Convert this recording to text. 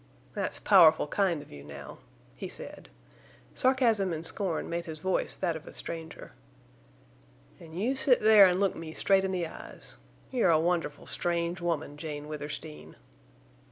"That's powerful kind of you, now," he said. Sarcasm and scorn made his voice that of a stranger. "An' you sit there an' look me straight in the eyes! You're a wonderful strange woman, Jane Withersteen."